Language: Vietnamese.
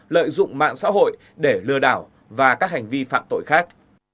lợi dụng mạng xã hội để lừa đảo và các hành vi phạm tội khác